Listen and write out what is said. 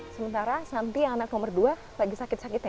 sementara santi yang anak nomor dua lagi sakit sakitnya